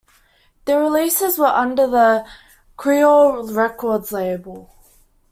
Their releases were under the Creole Records label.